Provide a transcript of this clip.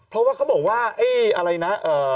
เพราะว่าเขาบอกว่าไอ้อะไรนะ